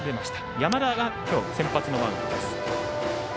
山田が先発のマウンドです。